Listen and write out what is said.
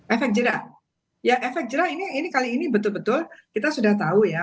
efek jerah ya efek jerah ini kali ini betul betul kita sudah tahu ya